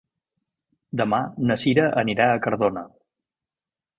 Demà na Sira anirà a Cardona.